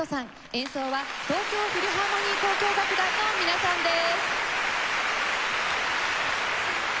演奏は東京フィルハーモニー交響楽団の皆さんです。